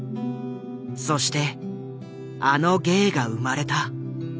そしてあの芸が生まれた。